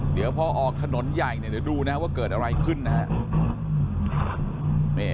เดี๋ยวพอออกถนนใหญ่เนี่ยเดี๋ยวดูนะว่าเกิดอะไรขึ้นนะฮะ